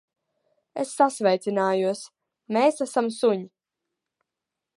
Es sasveicinājos. Mēs esam suņi.